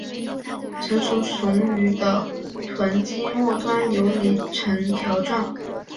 成熟雄鱼的臀鳍末端游离呈条状。